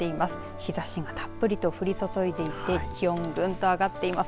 日ざしがたっぷりと降り注いでいて気温がぐんと上がっています。